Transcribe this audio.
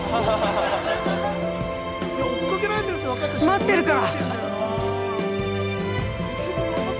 待ってるから！